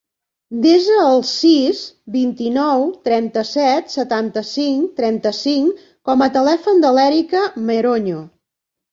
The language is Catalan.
Desa el sis, vint-i-nou, trenta-set, setanta-cinc, trenta-cinc com a telèfon de l'Erika Meroño.